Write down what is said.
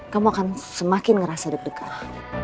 kamu akan semakin ngerasa deg degan